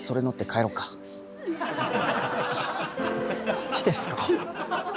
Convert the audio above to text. マジですか？